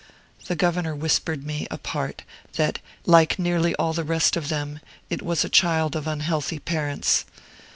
The governor whispered me, apart, that, like nearly all the rest of them, it was the child of unhealthy parents.